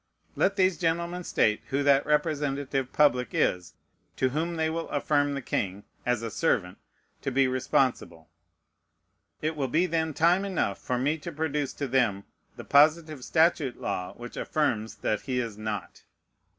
Let these gentlemen state who that representative public is to whom they will affirm the king, as a servant, to be responsible. It will be then time enough for me to produce to them the positive statute law which affirms that he is not.